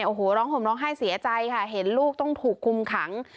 โอ้โหร้องห่มร้องไห้เสียใจค่ะเห็นลูกต้องถูกคุมขัง